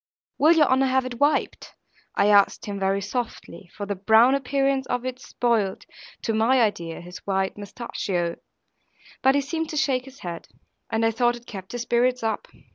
'Will your honour have it wiped?' I asked him very softly, for the brown appearance of it spoiled (to my idea) his white mostacchio; but he seemed to shake his head; and I thought it kept his spirits up.